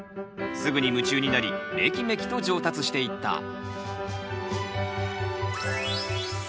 すぐに夢中になりめきめきと上達していった。